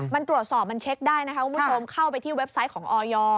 มันตรวจสอบมันเช็คได้นะคะคุณผู้ชมเข้าไปที่เว็บไซต์ของออย